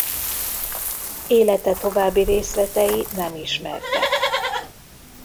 Élete további részletei nem ismertek.